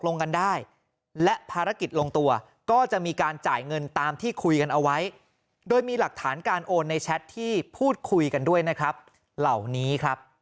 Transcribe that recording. ในแชทที่พูดคุยกันด้วยนะครับเหล่านี้ครับ